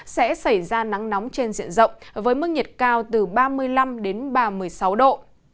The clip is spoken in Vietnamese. sẽ xảy ra nắng nóng trên diện rộng với mức nhiệt cao từ ba mươi năm đến ba mươi sáu độ